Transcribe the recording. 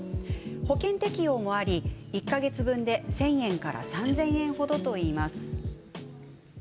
保険適用もあり、１か月分で１０００円から３０００円程といいます。